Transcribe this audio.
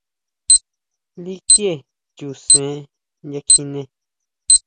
¿Likie Chuʼsén inchakjine?